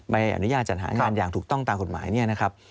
ใบอนุญาจันหางานอย่างถูกต้องตามกฎหมายนี้